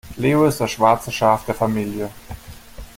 Leo ist das schwarze Schaf der Familie.